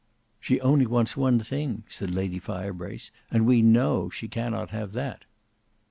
"She only wants one thing," said Lady Firebrace, "and we know she cannot have that."